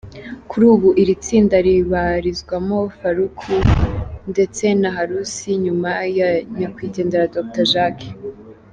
Kuri ubu iri tsinda rirabarizwamo Faruku ndetse na Harusi nyuma ya nyakwigendera Dr Jacques.